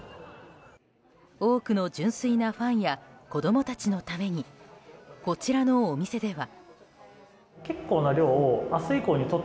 多くの純粋なファンや子供たちのためにこちらのお店では。